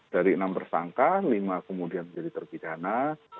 dari enam tersangka lima kemudian jadi tergidana